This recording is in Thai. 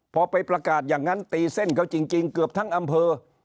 พอไปประกาศอย่างนั้นตีเส้นเขาจริงเกือบทั้งอำเภอ